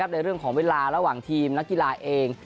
ในเรื่องของเวลาระหว่างทีมนักกีฬาเอง